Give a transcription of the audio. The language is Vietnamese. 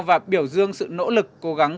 và biểu dương sự nỗ lực cố gắng